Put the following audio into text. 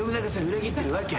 裏切ってるわけ？